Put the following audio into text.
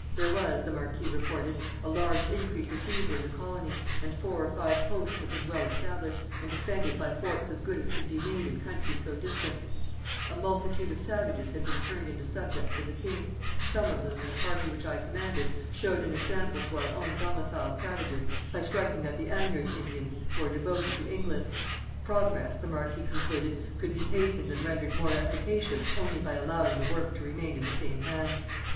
There was [the marquis reported] a large increase of beaver in the colony, and four or five posts had been well established, and defended by forts as good as could be made in countries so distant; a multitude of savages had been turned into subjects of the king; some of them, in a party which I commanded, showed an example to our own domiciled savages by striking at the Anniers Indians, who are devoted to England. Progress [the marquis concluded] could be hastened and rendered more efficacious only by allowing the work to remain in the same hands.